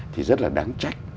thì rất là đáng trách